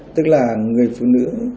tức là người phụ nữ